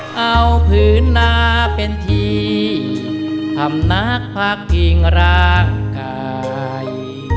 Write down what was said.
เอาผืนนาเป็นที่พำนักพักพิงร่างกาย